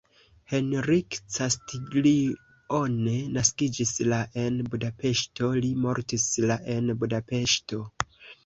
Henrik Castiglione naskiĝis la en Budapeŝto, li mortis la en Budapeŝto.